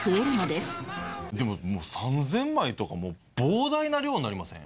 でも３０００枚とかもう膨大な量になりません？